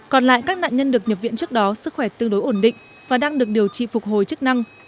còn lại các nạn nhân được nhập viện trước đó sức khỏe tương đối ổn định và đang được điều trị phục hồi chức năng